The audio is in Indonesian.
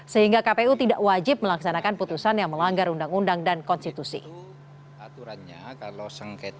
sehingga kpu tidak wajib melaksanakan putusan yang melanggar undang undang dan konstitusi